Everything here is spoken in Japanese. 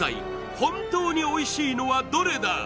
本当においしいのはどれだ！？